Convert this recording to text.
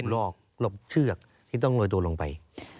ต้องลบเชือกที่ต้องเลยดูลงไป